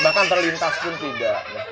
bahkan terlingkas pun tidak